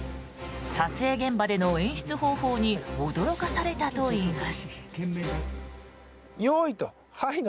撮影現場での演出方法に驚かされたといいます。